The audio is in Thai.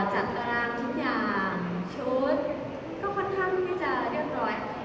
ตารางทุกอย่างชุดก็ค่อนข้างที่จะเรียบร้อย